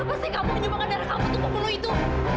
kenapa sih kamu menyumbangkan darah kamu ke pembunuh itu